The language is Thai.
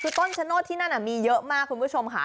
คือต้นชะโนธที่นั่นมีเยอะมากคุณผู้ชมค่ะ